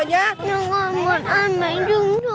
nhưng mà con muốn ăn bánh trung thu